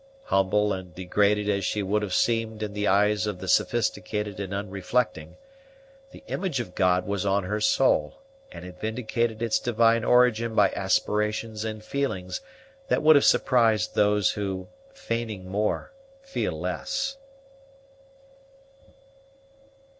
Humble and degraded as she would have seemed in the eyes of the sophisticated and unreflecting, the image of God was on her soul, and it vindicated its divine origin by aspirations and feelings that would have surprised those who, feigning more, feel less.